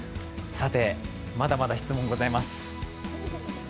まだまだ質問ございます。